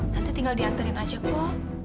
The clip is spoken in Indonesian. nanti tinggal diaturin aja kok